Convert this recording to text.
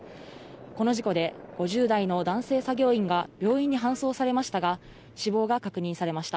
この事故で、５０代の男性作業員が病院に搬送されましたが、死亡が確認されました。